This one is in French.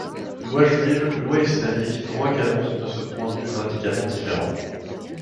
Loi juive, loi islamique, droits canons sont de ce point de vue radicalement différents.